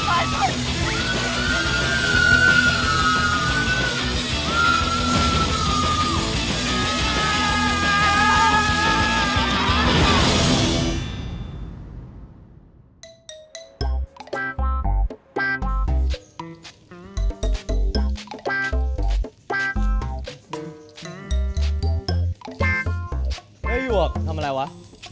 เฮ้ยพี่หวอกทำอะไรวะ